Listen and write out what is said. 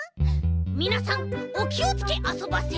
みなさんおきをつけあそばせ！